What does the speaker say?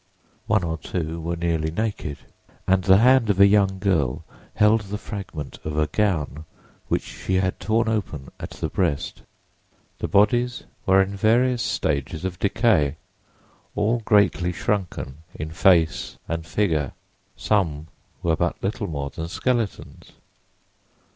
One or two were nearly naked, and the hand of a young girl held the fragment of a gown which she had torn open at the breast. The bodies were in various stages of decay, all greatly shrunken in face and figure. Some were but little more than skeletons.